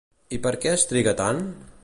I per què es triga tant?